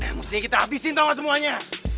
eh mustinya kita habisin tau gak semuanya